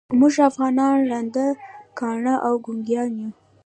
موږ افغانان ړانده، کاڼه او ګونګیان یوو.